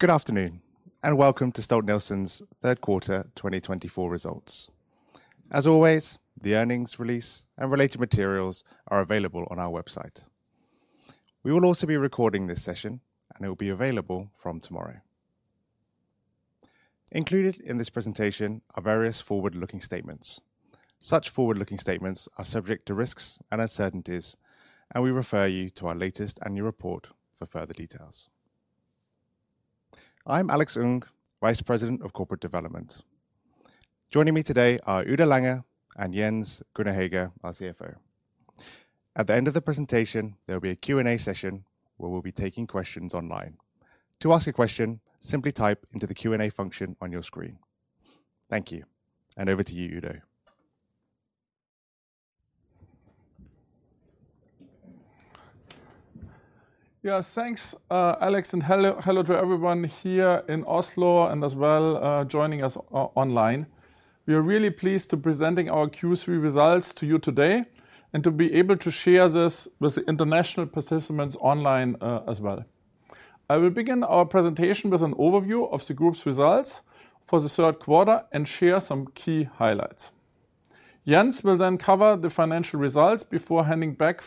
Good afternoon, and welcome to Stolt-Nielsen's Third Quarter 2024 Results. As always, the earnings release and related materials are available on our website. We will also be recording this session, and it will be available from tomorrow. Included in this presentation are various forward-looking statements. Such forward-looking statements are subject to risks and uncertainties, and we refer you to our latest annual report for further details. I'm Alex Ng, Vice President of Corporate Development. Joining me today are Udo Lange and Jens Grüner-Hegge, our CFO. At the end of the presentation, there will be a Q&A session, where we'll be taking questions online. To ask a question, simply type into the Q&A function on your screen. Thank you, and over to you, Udo. Yeah, thanks, Alex, and hello, hello to everyone here in Oslo and as well, joining us online. We are really pleased to presenting our Q3 results to you today, and to be able to share this with the international participants online, as well. I will begin our presentation with an overview of the group's results for the third quarter and share some key highlights. Jens will then cover the financial results before handing back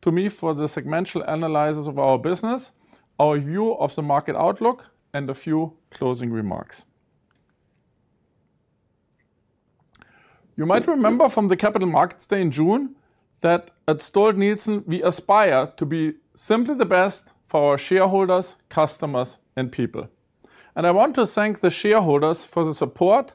to me for the segmental analysis of our business, our view of the market outlook, and a few closing remarks. You might remember from the Capital Markets Day in June, that at Stolt-Nielsen, we aspire to be simply the best for our shareholders, customers, and people. I want to thank the shareholders for the support,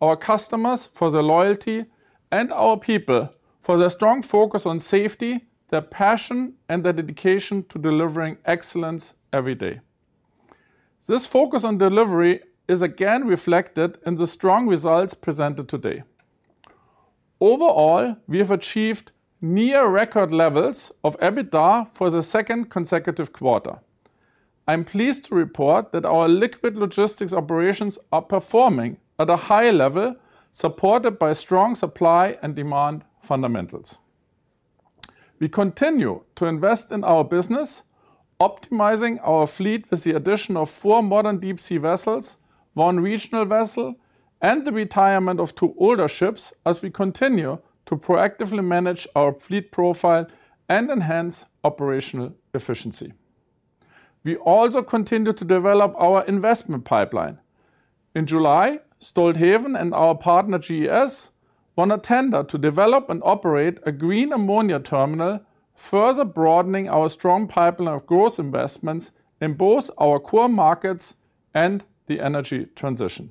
our customers for their loyalty, and our people for their strong focus on safety, their passion, and their dedication to delivering excellence every day. This focus on delivery is again reflected in the strong results presented today. Overall, we have achieved near record levels of EBITDA for the second consecutive quarter. I'm pleased to report that our liquid logistics operations are performing at a high level, supported by strong supply and demand fundamentals. We continue to invest in our business, optimizing our fleet with the addition of four modern deep sea vessels, one regional vessel, and the retirement of two older ships, as we continue to proactively manage our fleet profile and enhance operational efficiency. We also continue to develop our investment pipeline. In July, Stolthaven and our partner, GES, won a tender to develop and operate a green ammonia terminal, further broadening our strong pipeline of growth investments in both our core markets and the energy transition.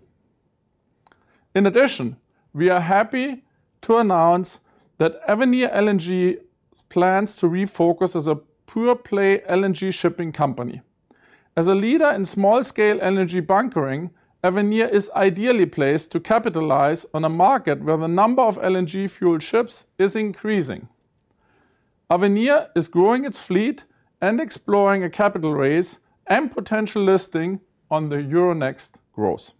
In addition, we are happy to announce that Avenir LNG plans to refocus as a pure-play LNG shipping company. As a leader in small-scale energy bunkering, Avenir is ideally placed to capitalize on a market where the number of LNG-fueled ships is increasing. Avenir is growing its fleet and exploring a capital raise and potential listing on the Euronext Growth.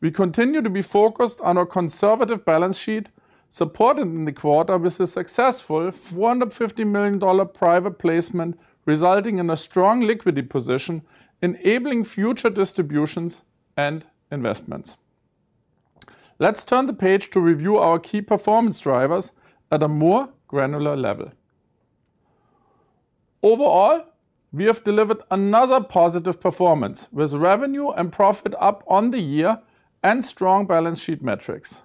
We continue to be focused on our conservative balance sheet, supported in the quarter with a successful $450 million private placement, resulting in a strong liquidity position, enabling future distributions and investments. Let's turn the page to review our key performance drivers at a more granular level. Overall, we have delivered another positive performance, with revenue and profit up on the year and strong balance sheet metrics.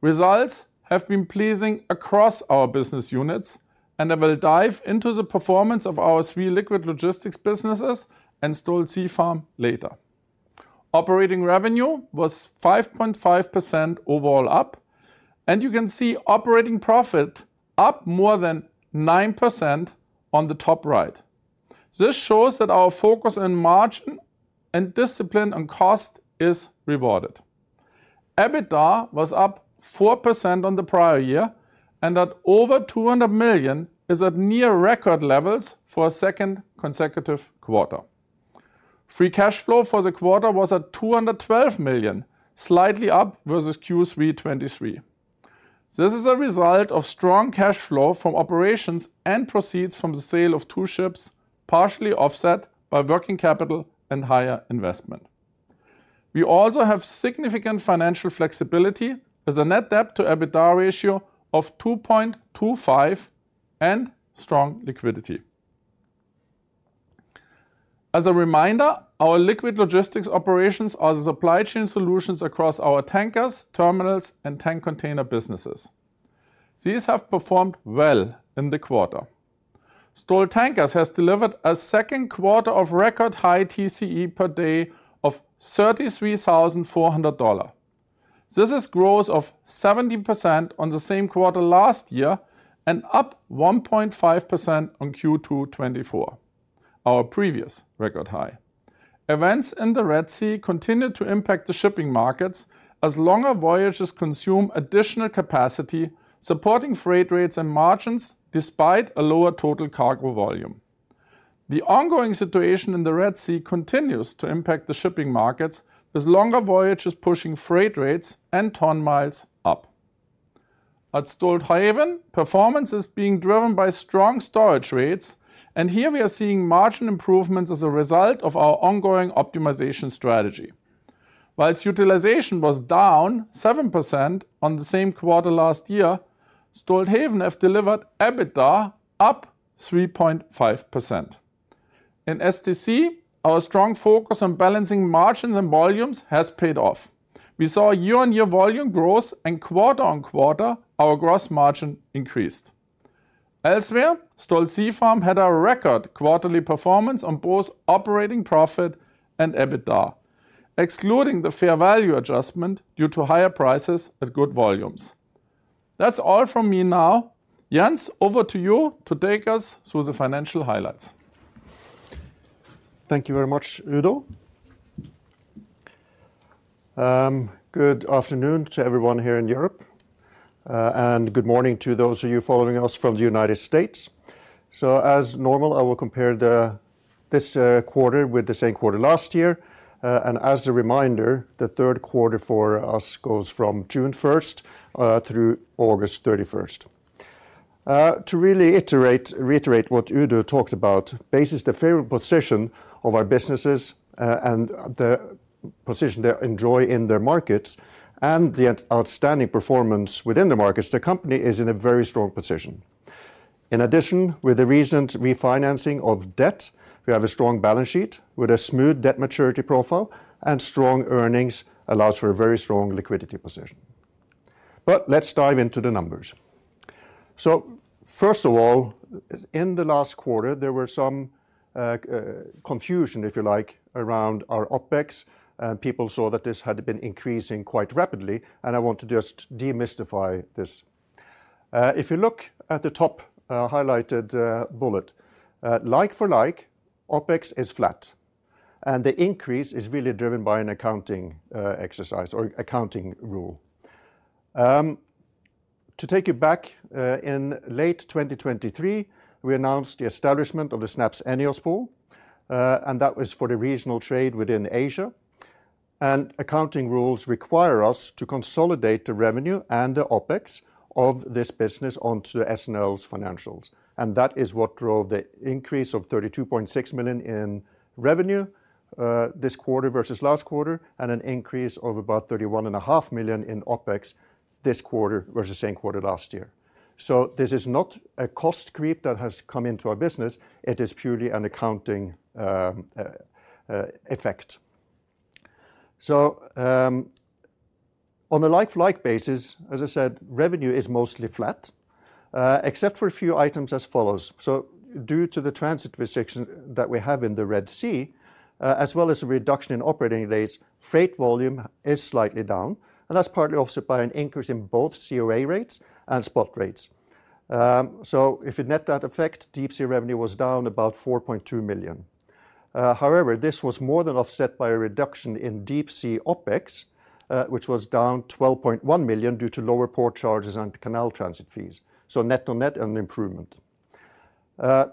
Results have been pleasing across our business units, and I will dive into the performance of our three liquid logistics businesses and Stolt Sea Farm later. Operating revenue was 5.5% overall up, and you can see operating profit up more than 9% on the top right. This shows that our focus on margin and discipline on cost is rewarded. EBITDA was up 4% on the prior year, and at over $200 million, is at near record levels for a second consecutive quarter. Free cash flow for the quarter was at $212 million, slightly up versus Q3 2023. This is a result of strong cash flow from operations and proceeds from the sale of two ships, partially offset by working capital and higher investment. We also have significant financial flexibility, with a net debt to EBITDA ratio of 2.25 and strong liquidity. As a reminder, our liquid logistics operations are the supply chain solutions across our tankers, terminals, and tank container businesses. These have performed well in the quarter. Stolt Tankers has delivered a second quarter of record-high TCE per day of $33,400. This is growth of 70% on the same quarter last year and up 1.5% on Q2 2024, our previous record high. Events in the Red Sea continued to impact the shipping markets as longer voyages consume additional capacity, supporting freight rates and margins despite a lower total cargo volume. The ongoing situation in the Red Sea continues to impact the shipping markets, with longer voyages pushing freight rates and ton miles up. At Stolthaven, performance is being driven by strong storage rates, and here we are seeing margin improvements as a result of our ongoing optimization strategy. While its utilization was down 7% on the same quarter last year, Stolthaven has delivered EBITDA up 3.5%. In STC, our strong focus on balancing margins and volumes has paid off. We saw a year-on-year volume growth, and quarter on quarter, our gross margin increased. Elsewhere, Stolt Sea Farm had a record quarterly performance on both operating profit and EBITDA, excluding the fair value adjustment due to higher prices and good volumes. That's all from me now. Jens, over to you to take us through the financial highlights. Thank you very much, Udo. Good afternoon to everyone here in Europe, and good morning to those of you following us from the United States. So as normal, I will compare this quarter with the same quarter last year. And as a reminder, the third quarter for us goes from June first through August thirty-first. To really reiterate what Udo talked about. Based on the favorable position of our businesses, and the position they enjoy in their markets and the outstanding performance within the markets, the company is in a very strong position. In addition, with the recent refinancing of debt, we have a strong balance sheet with a smooth debt maturity profile, and strong earnings allows for a very strong liquidity position. But let's dive into the numbers. So first of all, in the last quarter, there were some confusion, if you like, around our OpEx, and people saw that this had been increasing quite rapidly, and I want to just demystify this. If you look at the top highlighted bullet, like for like, OpEx is flat, and the increase is really driven by an accounting exercise or accounting rule. To take it back, in late 2023, we announced the establishment of the SNAPS Annual Pool, and that was for the regional trade within Asia. Accounting rules require us to consolidate the revenue and the OpEx of this business onto SNL's financials, and that is what drove the increase of $32.6 million in revenue this quarter versus last quarter, and an increase of about $31.5 million in OpEx this quarter versus the same quarter last year. This is not a cost creep that has come into our business. It is purely an accounting effect. On a like-for-like basis, as I said, revenue is mostly flat except for a few items as follows. Due to the transit restriction that we have in the Red Sea, as well as a reduction in operating days, freight volume is slightly down, and that's partly offset by an increase in both COA rates and spot rates. So if you net that effect, deep-sea revenue was down about $4.2 million. However, this was more than offset by a reduction in deep-sea OpEx, which was down $12.1 million due to lower port charges and canal transit fees, so net to net, an improvement.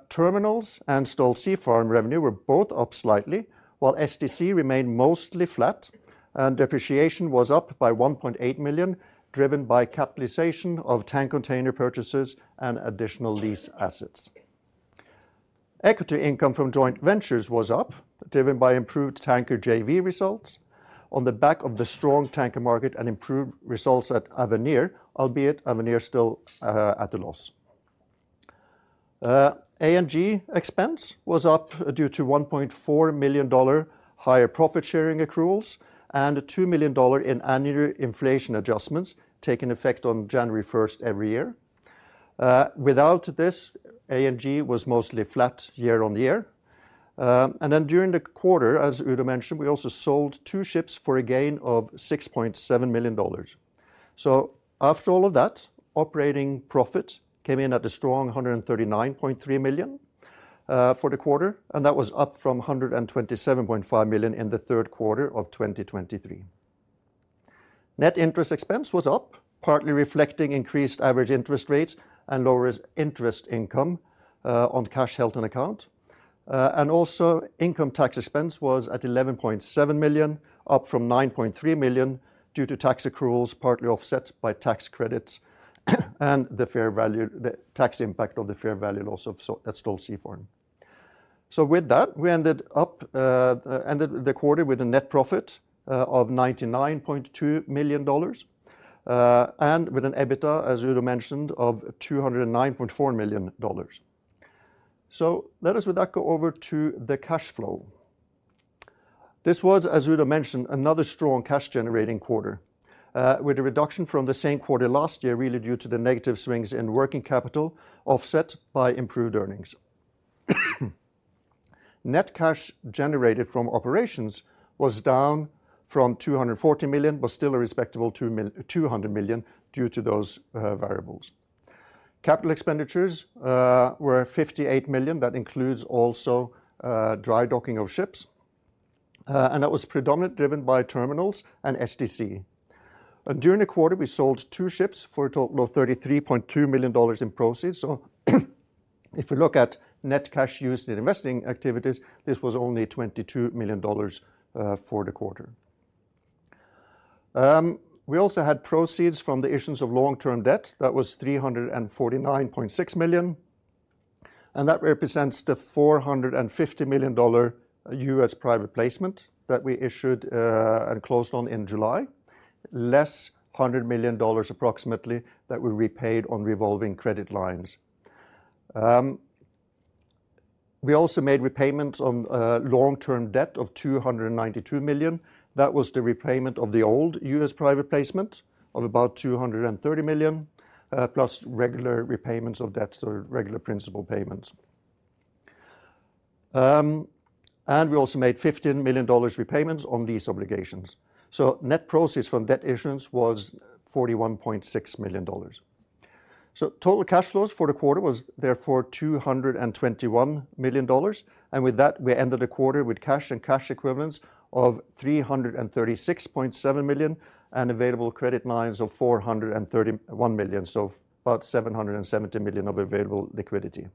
Terminals and Stolt Sea Farm revenue were both up slightly, while STC remained mostly flat, and depreciation was up by $1.8 million, driven by capitalization of tank container purchases and additional lease assets. Equity income from joint ventures was up, driven by improved tanker JV results on the back of the strong tanker market and improved results at Avenir, albeit Avenir still at a loss. A&G expense was up due to $1.4 million higher profit-sharing accruals and a $2 million in annual inflation adjustments, taking effect on January first every year. Without this, A&G was mostly flat year on year. And then during the quarter, as Udo mentioned, we also sold two ships for a gain of $6.7 million. So after all of that, operating profit came in at a strong $139.3 million for the quarter, and that was up from $127.5 million in the third quarter of 2023. Net interest expense was up, partly reflecting increased average interest rates and lower interest income on cash held on account. Also income tax expense was at $11.7 million, up from $9.3 million, due to tax accruals, partly offset by tax credits, and the tax impact of the fair value loss of Stolt Sea Farm. With that, we ended up ended the quarter with a net profit of $99.2 million and with an EBITDA, as Udo mentioned, of $209.4 million. Let us with that go over to the cash flow. This was, as Udo mentioned, another strong cash-generating quarter with a reduction from the same quarter last year, really due to the negative swings in working capital, offset by improved earnings. Net cash generated from operations was down from $240 million, but still a respectable $200 million due to those variables. Capital expenditures were $58 million. That includes also dry docking of ships, and that was predominantly driven by terminals and STC. And during the quarter, we sold two ships for a total of $33.2 million in proceeds, so. If you look at net cash used in investing activities, this was only $22 million for the quarter. We also had proceeds from the issuance of long-term debt. That was $349.6 million, and that represents the $450 million US private placement that we issued and closed on in July, less $100 million approximately that we repaid on revolving credit lines. We also made repayments on long-term debt of $292 million. That was the repayment of the old US Private Placement of about $230 million, plus regular repayments of debts or regular principal payments. And we also made $15 million repayments on these obligations. So net proceeds from debt issuance was $41.6 million. So total cash flows for the quarter was therefore $221 million, and with that, we ended the quarter with cash and cash equivalents of $336.7 million, and available credit lines of $431 million, so about $770 million of available liquidity.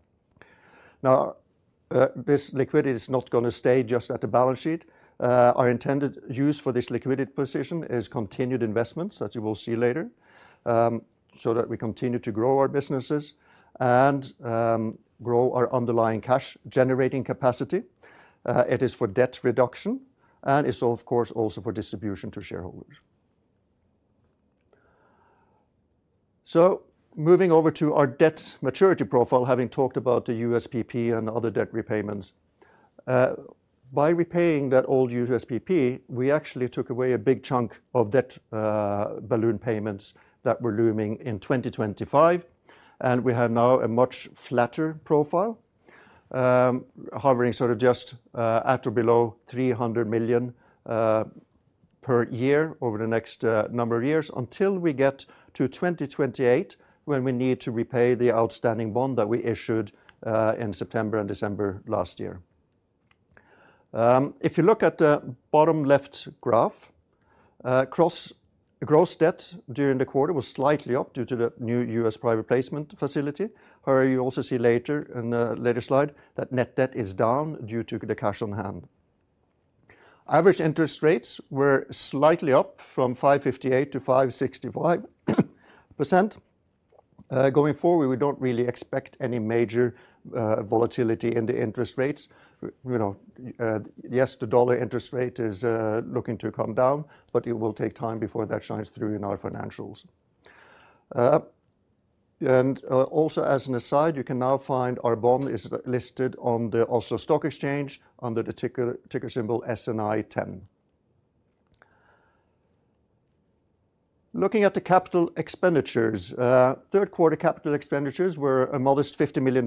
Now, this liquidity is not going to stay just at the balance sheet. Our intended use for this liquidity position is continued investments, as you will see later, so that we continue to grow our businesses and grow our underlying cash-generating capacity. It is for debt reduction, and it's of course, also for distribution to shareholders, so moving over to our debt maturity profile, having talked about the USPP and other debt repayments. By repaying that old USPP, we actually took away a big chunk of debt, balloon payments that were looming in 2025, and we have now a much flatter profile, hovering sort of just at or below $300 million per year over the next number of years until we get to 2028, when we need to repay the outstanding bond that we issued in September and December last year. If you look at the bottom left graph, gross debt during the quarter was slightly up due to the new US Private Placement facility. However, you also see later, in a later slide, that net debt is down due to the cash on hand. Average interest rates were slightly up from 5.58% to 5.65%. Going forward, we don't really expect any major volatility in the interest rates. You know, yes, the dollar interest rate is looking to come down, but it will take time before that shines through in our financials. Also as an aside, you can now find our bond is listed on the Oslo Stock Exchange under the ticker symbol SNI10. Looking at the capital expenditures, third quarter capital expenditures were a modest $50 million.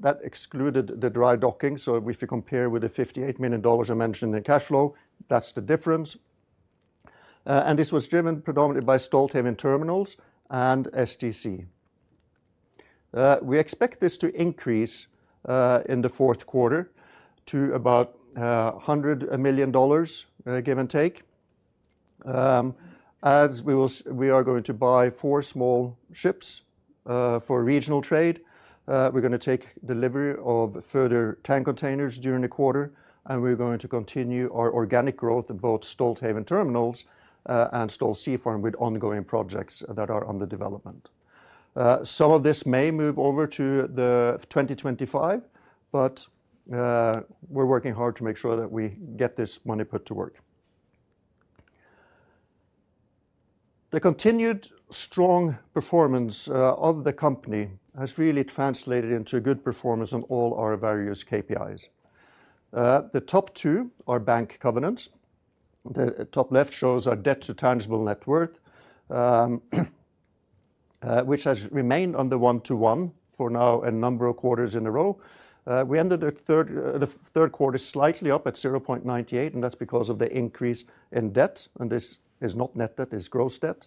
That excluded the dry docking, so if you compare with the $58 million I mentioned in the cash flow, that's the difference, and this was driven predominantly by Stolthaven Terminals and STC. We expect this to increase in the fourth quarter to about $100 million, give and take. We are going to buy four small ships for regional trade. We're going to take delivery of further tank containers during the quarter, and we're going to continue our organic growth in both Stolthaven Terminals and Stolt Sea Farm, with ongoing projects that are under development. Some of this may move over to 2025, but we're working hard to make sure that we get this money put to work. The continued strong performance of the company has really translated into a good performance on all our various KPIs. The top two are bank covenants. The top left shows our debt to tangible net worth, which has remained under 1-to-1 for now a number of quarters in a row. We ended the third quarter slightly up at 0.98, and that's because of the increase in debt, and this is not net debt, it's gross debt.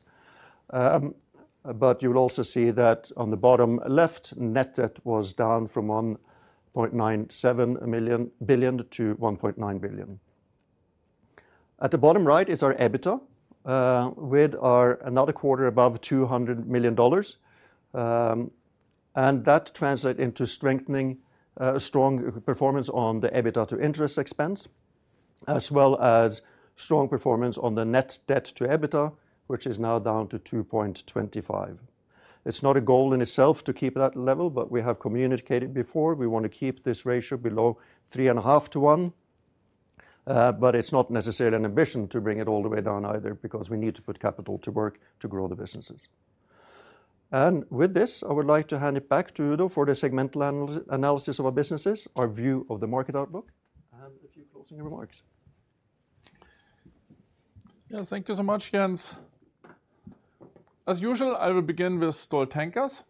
But you'll also see that on the bottom left, net debt was down from $1.97 billion to $1.9 billion. At the bottom right is our EBITDA, with another quarter above $200 million. And that translate into strengthening, strong performance on the EBITDA to interest expense, as well as strong performance on the net debt to EBITDA, which is now down to 2.25. It's not a goal in itself to keep that level, but we have communicated before, we want to keep this ratio below 3.5 to 1. But it's not necessarily an ambition to bring it all the way down either, because we need to put capital to work to grow the businesses. And with this, I would like to hand it back to Udo for the segmental analysis of our businesses, our view of the market outlook, and a few closing remarks. Yes, thank you so much, Jens. As usual, I will begin with Stolt Tankers.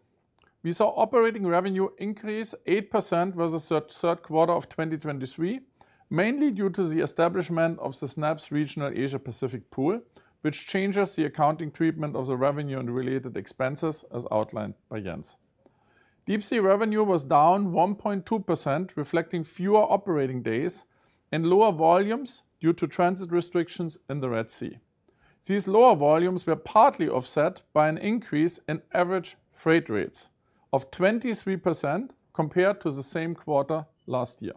We saw operating revenue increase 8% versus third quarter of 2023, mainly due to the establishment of the SNAPS regional Asia Pacific pool, which changes the accounting treatment of the revenue and related expenses, as outlined by Jens. Deep sea revenue was down 1.2%, reflecting fewer operating days and lower volumes due to transit restrictions in the Red Sea. These lower volumes were partly offset by an increase in average freight rates of 23% compared to the same quarter last year.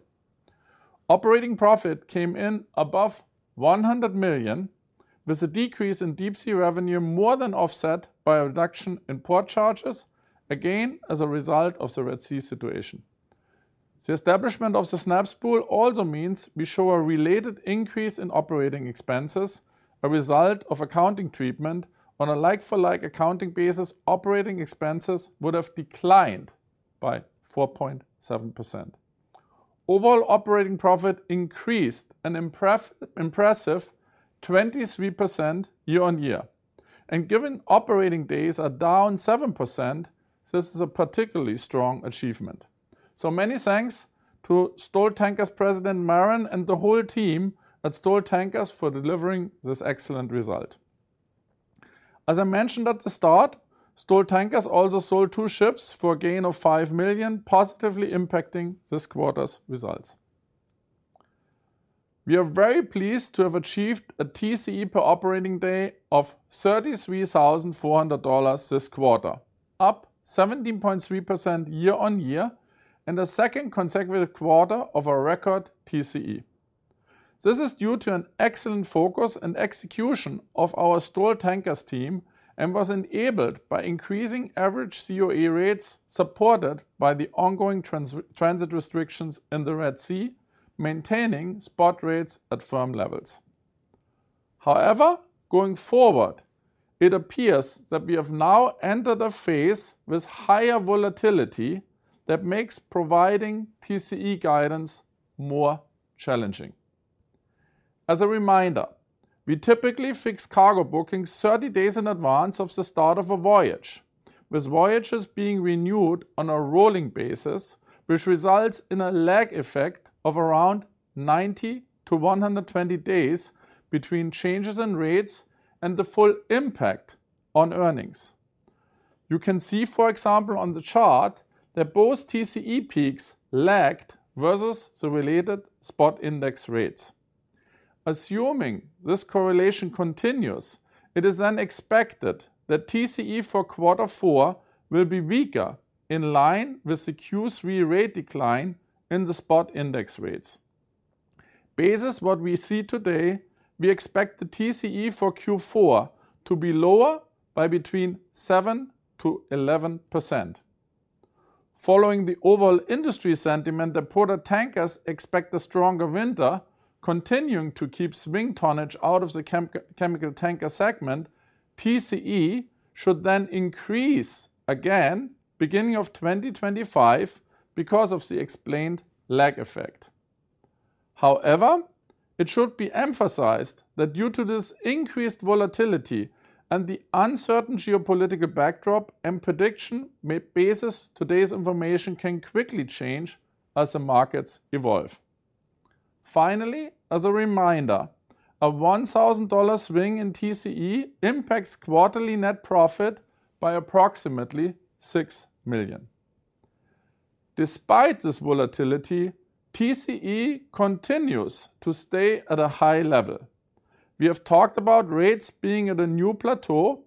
Operating profit came in above $100 million, with a decrease in deep sea revenue more than offset by a reduction in port charges, again, as a result of the Red Sea situation. The establishment of the SNAPS pool also means we show a related increase in operating expenses, a result of accounting treatment. On a like-for-like accounting basis, operating expenses would have declined by 4.7%. Overall, operating profit increased an impressive 23% year-on-year, and given operating days are down 7%, this is a particularly strong achievement. So many thanks to Stolt Tankers President Maren and the whole team at Stolt Tankers for delivering this excellent result. As I mentioned at the start, Stolt Tankers also sold two ships for a gain of $5 million, positively impacting this quarter's results. We are very pleased to have achieved a TCE per operating day of $33,400 this quarter, up 17.3% year-on-year, and a second consecutive quarter of a record TCE. This is due to an excellent focus and execution of our Stolt Tankers team and was enabled by increasing average COA rates, supported by the ongoing transit restrictions in the Red Sea, maintaining spot rates at firm levels. However, going forward, it appears that we have now entered a phase with higher volatility that makes providing TCE guidance more challenging. As a reminder, we typically fix cargo bookings thirty days in advance of the start of a voyage, with voyages being renewed on a rolling basis, which results in a lag effect of around ninety to one hundred and twenty days between changes in rates and the full impact on earnings. You can see, for example, on the chart, that both TCE peaks lagged versus the related spot index rates. Assuming this correlation continues, it is then expected that TCE for quarter four will be weaker, in line with the Q3 rate decline in the spot index rates. Based on what we see today, we expect the TCE for Q4 to be lower by between 7% and 11%. Following the overall industry sentiment, the product tankers expect a stronger winter, continuing to keep swing tonnage out of the chemical tanker segment. TCE should then increase again beginning of 2025 because of the explained lag effect. However, it should be emphasized that due to this increased volatility and the uncertain geopolitical backdrop and prediction, based on today's information can quickly change as the markets evolve. Finally, as a reminder, a $1,000 swing in TCE impacts quarterly net profit by approximately $6 million. Despite this volatility, TCE continues to stay at a high level. We have talked about rates being at a new plateau,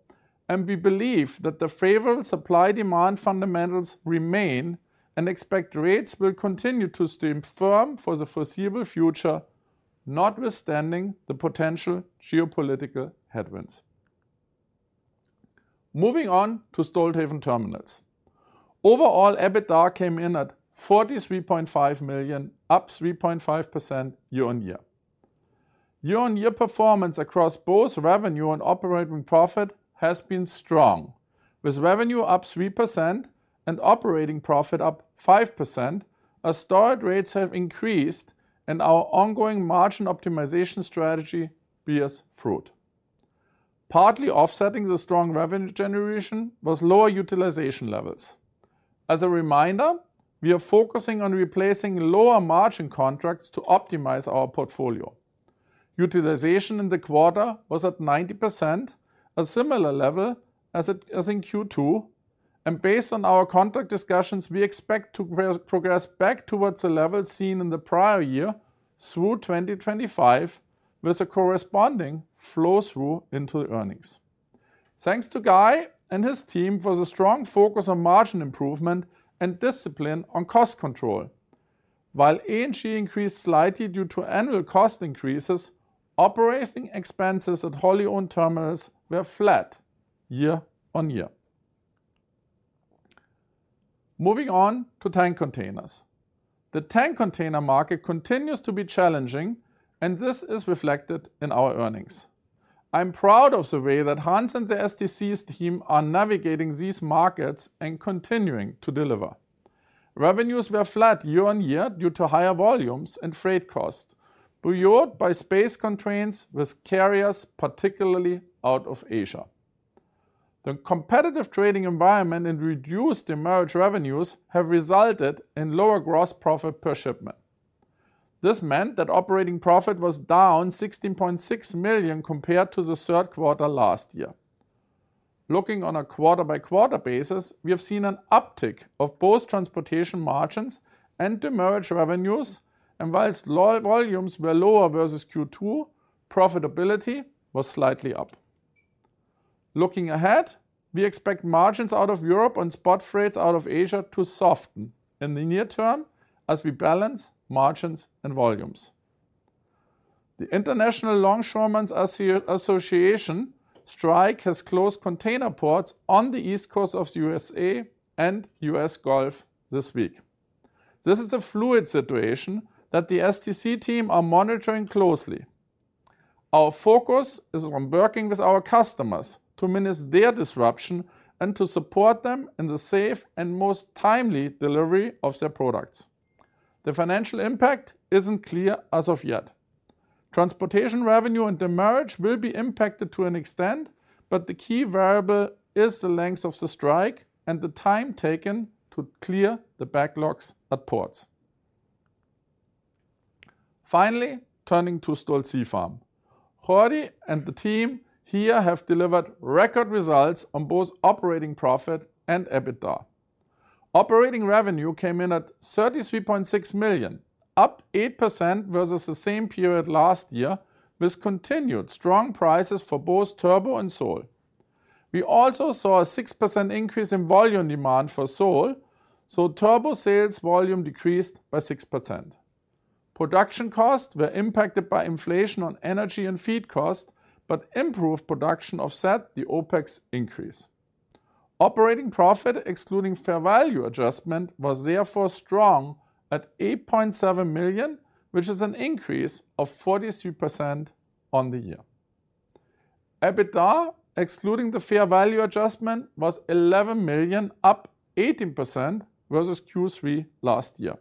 and we believe that the favorable supply-demand fundamentals remain and expect rates will continue to stay firm for the foreseeable future, notwithstanding the potential geopolitical headwinds. Moving on to Stolthaven Terminals. Overall, EBITDA came in at $43.5 million, up 3.5% year-on-year. Year-on-year performance across both revenue and operating profit has been strong, with revenue up 3% and operating profit up 5%, as storage rates have increased and our ongoing margin optimization strategy bears fruit. Partly offsetting the strong revenue generation was lower utilization levels. As a reminder, we are focusing on replacing lower margin contracts to optimize our portfolio. Utilization in the quarter was at 90%, a similar level as it was in Q2, and based on our contract discussions, we expect to progress back towards the level seen in the prior year through 2025, with a corresponding flow-through into the earnings. Thanks to Guy and his team for the strong focus on margin improvement and discipline on cost control. While A&G increased slightly due to annual cost increases, operating expenses at wholly owned terminals were flat year-on-year. Moving on to tank containers. The tank container market continues to be challenging, and this is reflected in our earnings. I'm proud of the way that Hans and the STC team are navigating these markets and continuing to deliver. Revenues were flat year-on-year due to higher volumes and freight costs, buoyed by space constraints with carriers, particularly out of Asia. The competitive trading environment and reduced demurrage revenues have resulted in lower gross profit per shipment. This meant that operating profit was down $16.6 million compared to the third quarter last year. Looking on a quarter-by-quarter basis, we have seen an uptick of both transportation margins and demurrage revenues. And whilst low volumes were lower versus Q2, profitability was slightly up. Looking ahead, we expect margins out of Europe and spot freights out of Asia to soften in the near term as we balance margins and volumes. The International Longshoremen's Association strike has closed container ports on the East Coast of USA and U.S. Gulf this week. This is a fluid situation that the STC team are monitoring closely. Our focus is on working with our customers to manage their disruption and to support them in the safe and most timely delivery of their products. The financial impact isn't clear as of yet. Transportation revenue and demurrage will be impacted to an extent, but the key variable is the length of the strike and the time taken to clear the backlogs at ports. Finally, turning to Stolt Sea Farm. Jordi and the team here have delivered record results on both operating profit and EBITDA. Operating revenue came in at $33.6 million, up 8% versus the same period last year, with continued strong prices for both turbot and sole. We also saw a 6% increase in volume demand for sole, so turbot sales volume decreased by 6%. Production costs were impacted by inflation on energy and feed costs, but improved production offset the OpEx increase. Operating profit, excluding fair value adjustment, was therefore strong at $8.7 million, which is an increase of 43% on the year. EBITDA, excluding the fair value adjustment, was $11 million, up 18% versus Q3 last year.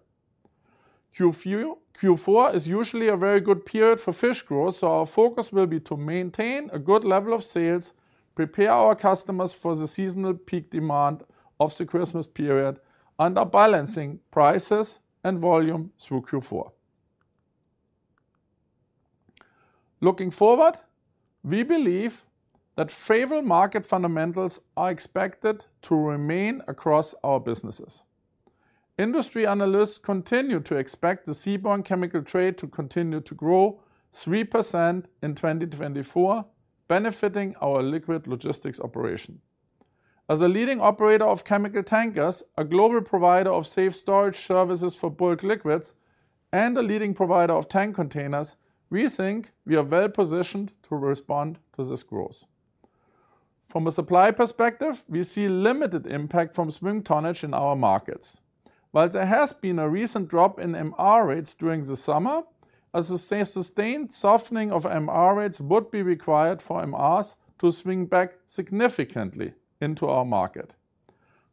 Q4 is usually a very good period for fish growth, so our focus will be to maintain a good level of sales, prepare our customers for the seasonal peak demand of the Christmas period under balancing prices and volume through Q4. Looking forward, we believe that favorable market fundamentals are expected to remain across our businesses. Industry analysts continue to expect the seaborne chemical trade to continue to grow 3% in 2024, benefiting our liquid logistics operation. As a leading operator of chemical tankers, a global provider of safe storage services for bulk liquids, and a leading provider of tank containers, we think we are well positioned to respond to this growth. From a supply perspective, we see limited impact from swing tonnage in our markets. While there has been a recent drop in MR rates during the summer, a sustained softening of MR rates would be required for MRs to swing back significantly into our market.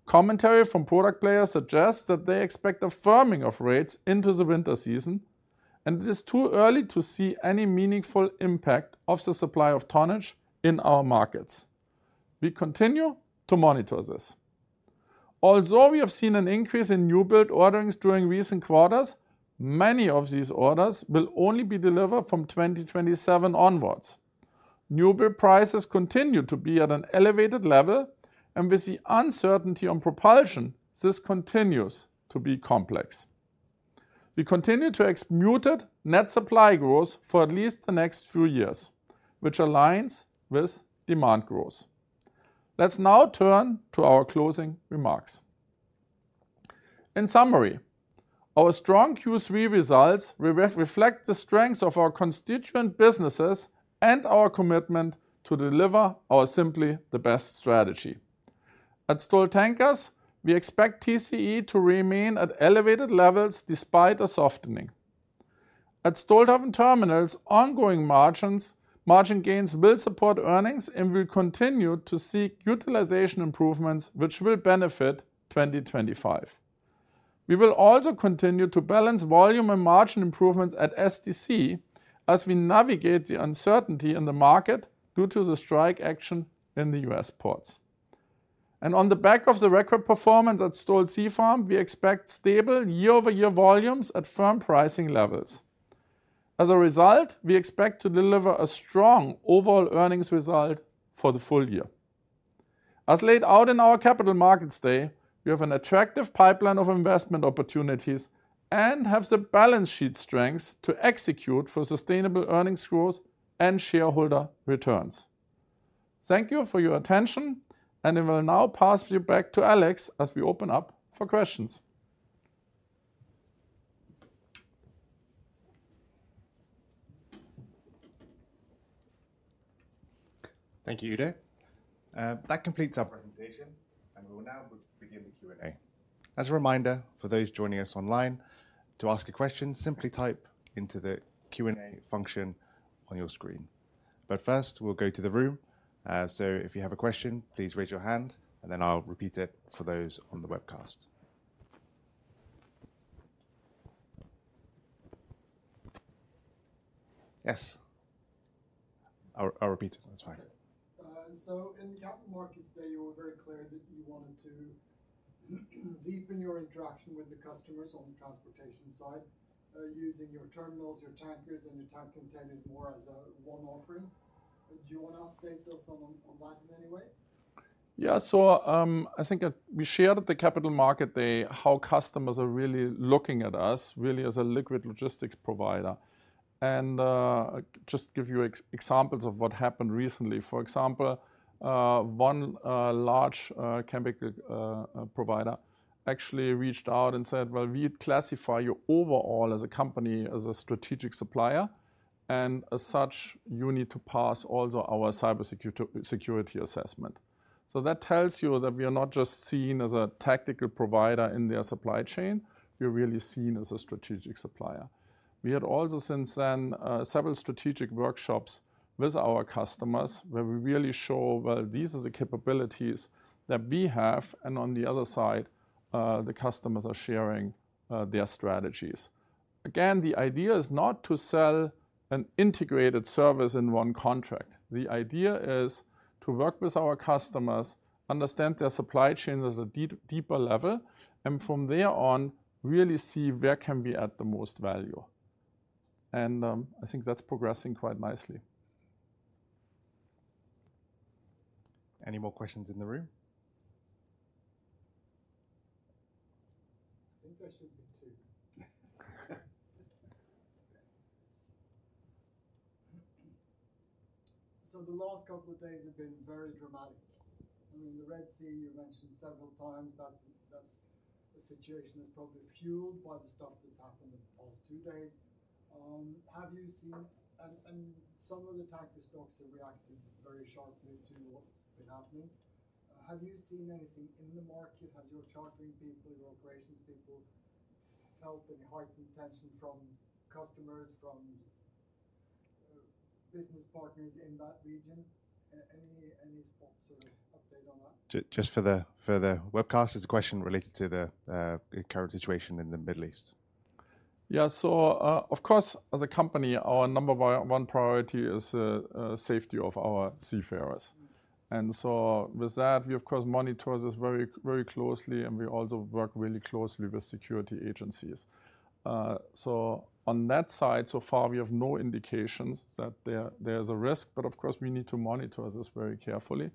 Commentary from product players suggests that they expect a firming of rates into the winter season, and it is too early to see any meaningful impact of the supply of tonnage in our markets. We continue to monitor this. Although we have seen an increase in newbuild orderings during recent quarters, many of these orders will only be delivered from twenty twenty-seven onwards. Newbuild prices continue to be at an elevated level, and with the uncertainty on propulsion, this continues to be complex. We continue to expect muted net supply growth for at least the next few years, which aligns with demand growth. Let's now turn to our closing remarks. In summary, our strong Q3 results reflect the strengths of our constituent businesses and our commitment to deliver our Simply the Best strategy. At Stolt Tankers, we expect TCE to remain at elevated levels despite a softening. At Stolthaven Terminals, ongoing margins, margin gains will support earnings, and we'll continue to seek utilization improvements, which will benefit 2025. We will also continue to balance volume and margin improvements at STC as we navigate the uncertainty in the market due to the strike action in the U.S. ports. On the back of the record performance at Stolt Sea Farm, we expect stable year-over-year volumes at firm pricing levels. As a result, we expect to deliver a strong overall earnings result for the full year. As laid out in our Capital Markets Day, we have an attractive pipeline of investment opportunities and have the balance sheet strength to execute for sustainable earnings growth and shareholder returns. Thank you for your attention, and I will now pass you back to Alex as we open up for questions. Thank you, Udo. That completes our presentation, and we will now begin the Q&A. As a reminder for those joining us online, to ask a question, simply type into the Q&A function on your screen. But first, we'll go to the room, so if you have a question, please raise your hand, and then I'll repeat it for those on the webcast. Yes. I'll repeat it. That's fine. So in the Capital Markets Day, you were very clear that you wanted to deepen your interaction with the customers on the transportation side, using your terminals, your tankers, and your tank containers more as a one offering. Do you wanna update us on that in any way? Yeah. So, I think that we shared at the capital market day how customers are really looking at us, really as a liquid logistics provider. And, just give you examples of what happened recently. For example, one large chemical provider actually reached out and said: "Well, we classify you overall as a company, as a strategic supplier, and as such, you need to pass also our cybersecurity assessment." So that tells you that we are not just seen as a tactical provider in their supply chain, we're really seen as a strategic supplier. We had also, since then, several strategic workshops with our customers, where we really show, well, these are the capabilities that we have, and on the other side, the customers are sharing their strategies. Again, the idea is not to sell an integrated service in one contract. The idea is to work with our customers, understand their supply chain at a deeper level, and from there on, really see where we can add the most value. And, I think that's progressing quite nicely. Any more questions in the room? I think there should be two, so the last couple of days have been very dramatic. I mean, the Red Sea, you mentioned several times, that's a situation that's probably fueled by the stuff that's happened in the past two days. Have you seen... And some of the tanker stocks have reacted very sharply to what's been happening. Have you seen anything in the market? Has your chartering people, your operations people, felt any heightened tension from customers, from business partners in that region? Any, any spot sort of update on that? Just for the webcast, it's a question related to the current situation in the Middle East. Yeah, so, of course, as a company, our number one priority is safety of our seafarers, and so with that, we of course monitor this very, very closely, and we also work really closely with security agencies, so on that side, so far, we have no indications that there is a risk, but of course, we need to monitor this very carefully,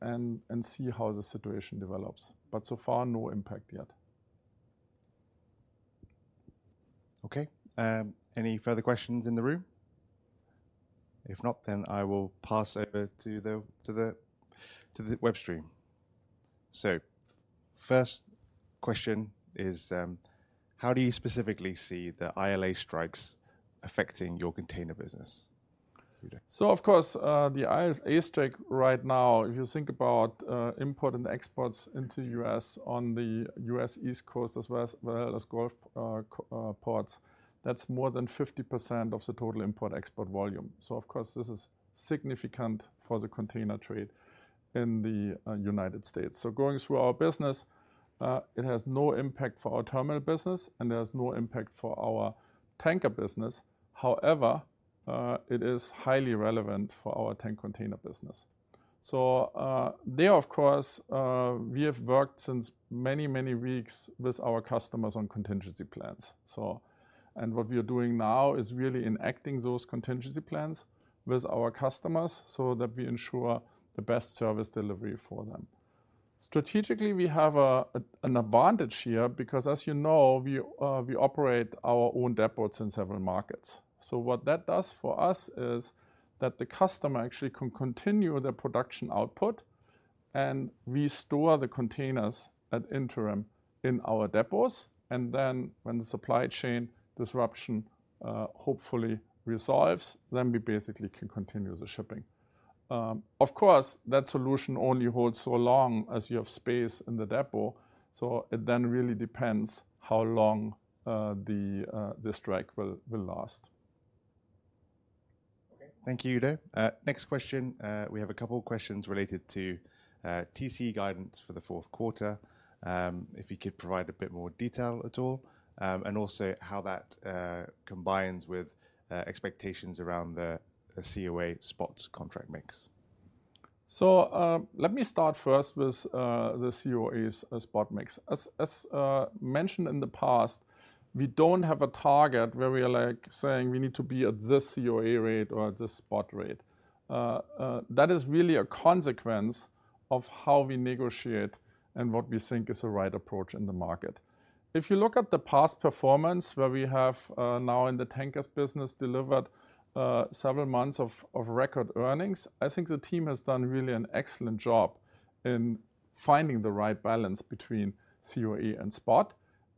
and see how the situation develops, but so far, no impact yet. Okay. Any further questions in the room? If not, then I will pass over to the web stream. So first question is: How do you specifically see the ILA strikes affecting your container business, Udo? Of course, the ILA strike right now, if you think about import and exports into the U.S. on the U.S. East Coast, as well as Gulf ports, that's more than 50% of the total import-export volume. Of course, this is significant for the container trade in the United States. Going through our business, it has no impact for our terminal business, and there's no impact for our tanker business. However, it is highly relevant for our tank container business. There, of course, we have worked since many weeks with our customers on contingency plans. And what we are doing now is really enacting those contingency plans with our customers so that we ensure the best service delivery for them. Strategically, we have an advantage here because, as you know, we operate our own depots in several markets. So what that does for us is that the customer actually can continue their production output, and we store the containers in the interim in our depots, and then when the supply chain disruption, hopefully resolves, then we basically can continue the shipping. Of course, that solution only holds so long as you have space in the depot, so it then really depends how long the strike will last. Okay. Thank you, Udo. Next question. We have a couple of questions related to TCE guidance for the fourth quarter. If you could provide a bit more detail at all, and also how that combines with expectations around the COA spot contract mix. So, let me start first with the COA's spot mix. As mentioned in the past, we don't have a target where we are, like, saying: We need to be at this COA rate or at this spot rate. That is really a consequence of how we negotiate and what we think is the right approach in the market. If you look at the past performance, where we have now in the tankers business delivered several months of record earnings, I think the team has done really an excellent job in finding the right balance between COA and spot,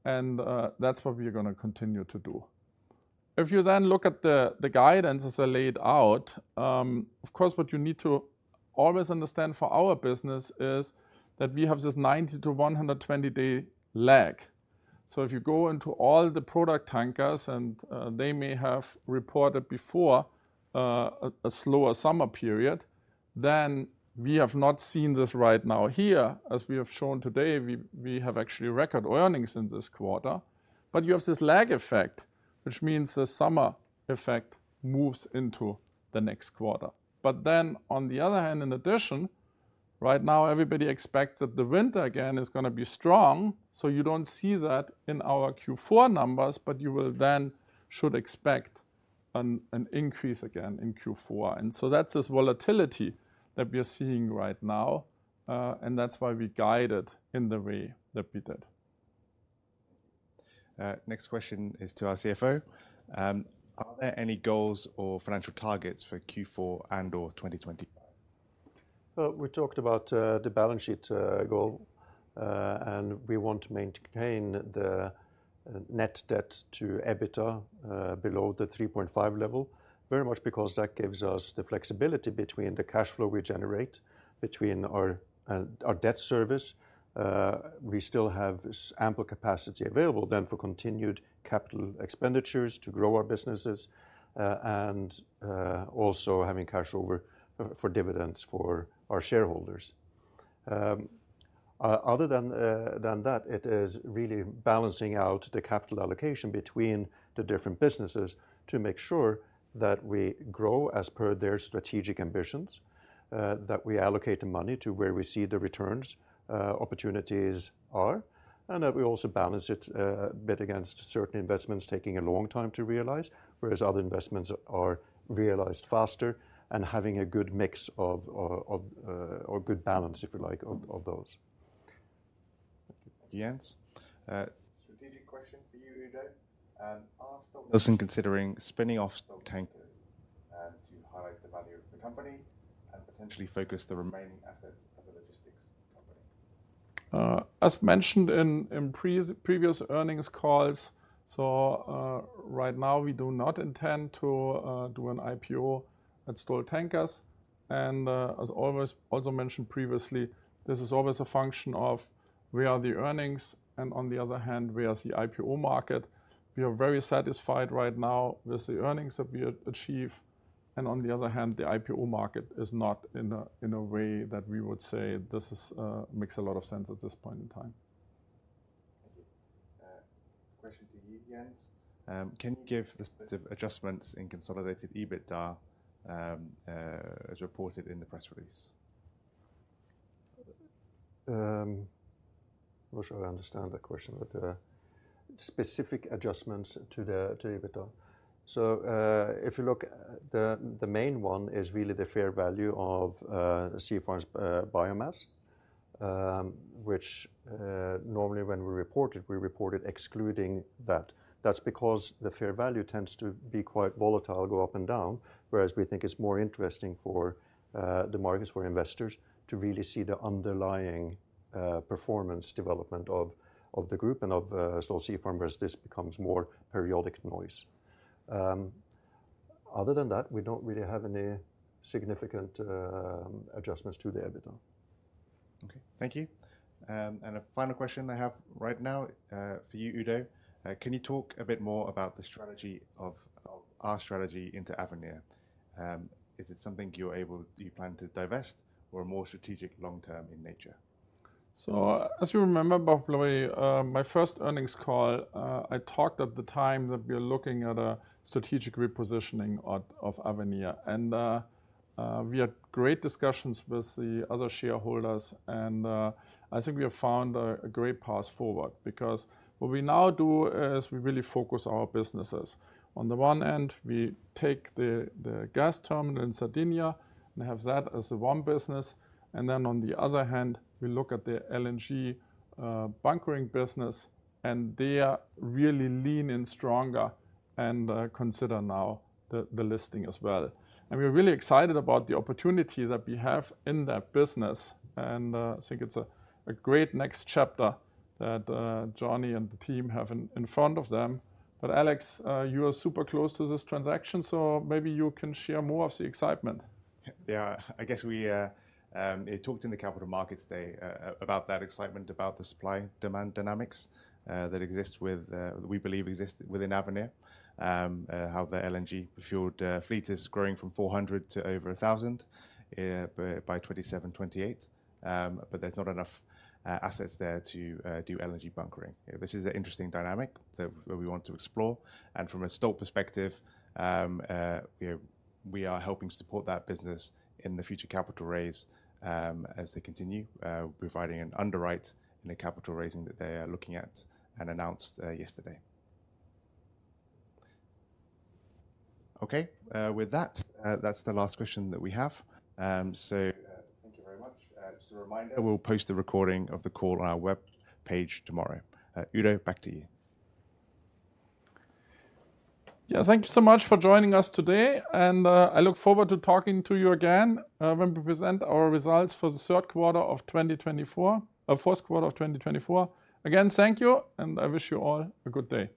and that's what we are gonna continue to do. If you then look at the guidance as I laid out, of course, what you need to always understand for our business is that we have this 90- to 120-day lag. So if you go into all the product tankers, and they may have reported before a slower summer period, then we have not seen this right now here. As we have shown today, we have actually record earnings in this quarter, but you have this lag effect, which means the summer effect moves into the next quarter. But then, on the other hand, in addition, right now, everybody expects that the winter again is gonna be strong, so you don't see that in our Q4 numbers, but you will then should expect an increase again in Q4. And so that's this volatility that we are seeing right now, and that's why we guided in the way that we did. Next question is to our CFO. Are there any goals or financial targets for Q4 and/or 2025? We talked about the balance sheet goal, and we want to maintain the net debt to EBITDA below the 3.5 level, very much because that gives us the flexibility between the cash flow we generate between our our debt service. We still have this ample capacity available then for continued capital expenditures to grow our businesses, and also having cash over for dividends for our shareholders. Other than that, it is really balancing out the capital allocation between the different businesses to make sure that we grow as per their strategic ambitions, that we allocate the money to where we see the returns opportunities are, and that we also balance it a bit against certain investments taking a long time to realize, whereas other investments are realized faster and having a good mix of or good balance, if you like, of those. Thank you, Jens. Strategic question for you, Udo. Are Stolt-Nielsen considering spinning off tankers to highlight the value of the company and potentially focus the remaining assets as a logistics company? As mentioned in previous earnings calls, right now, we do not intend to do an IPO at Stolt Tankers. As always, also mentioned previously, this is always a function of where are the earnings, and on the other hand, where is the IPO market? We are very satisfied right now with the earnings that we achieve, and on the other hand, the IPO market is not in a way that we would say this makes a lot of sense at this point in time. Thank you. Question to you, Jens. Can you give the specific adjustments in consolidated EBITDA as reported in the press release? I'm not sure I understand that question, but specific adjustments to the EBITDA. So, if you look, the main one is really the fair value of Stolt Sea Farm's biomass, which normally when we report it, we report it excluding that. That's because the fair value tends to be quite volatile, go up and down, whereas we think it's more interesting for the markets, for investors, to really see the underlying performance development of the group and of Stolt Sea Farm, as this becomes more periodic noise. Other than that, we don't really have any significant adjustments to the EBITDA. Okay. Thank you, and a final question I have right now for you, Udo. Can you talk a bit more about the strategy of our strategy into Avenir? Is it something do you plan to divest or more strategic long-term in nature? So, as you remember, roughly, my first earnings call, I talked at the time that we are looking at a strategic repositioning of Avenir, and we had great discussions with the other shareholders, and I think we have found a great path forward. Because what we now do is we really focus our businesses. On the one end, we take the gas terminal in Sardinia and have that as the one business, and then on the other hand, we look at the LNG bunkering business, and they are really leaning stronger and consider now the listing as well. And we're really excited about the opportunity that we have in that business, and I think it's a great next chapter that Johnny and the team have in front of them. But, Alex, you are super close to this transaction, so maybe you can share more of the excitement. Yeah. I guess we talked in the capital markets day about that excitement about the supply/demand dynamics that exists with we believe exists within Avenir. How the LNG-fueled fleet is growing from 400 to over 1,000 by 2027, 2028. But there's not enough assets there to do LNG bunkering. This is an interesting dynamic that we want to explore, and from a Stolt perspective, we are helping support that business in the future capital raise, as they continue providing an underwrite in a capital raising that they are looking at and announced yesterday. Okay, with that, that's the last question that we have, so thank you very much. Just a reminder, we'll post the recording of the call on our web page tomorrow. Udo, back to you. Yeah, thank you so much for joining us today, and I look forward to talking to you again when we present our results for the third quarter of twenty twenty-four, fourth quarter of twenty twenty-four. Again, thank you, and I wish you all a good day.